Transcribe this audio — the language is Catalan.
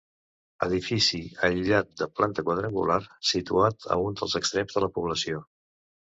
Edifici aïllat de planta quadrangular, situat a un dels extrems de la població.